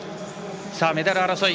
メダル争い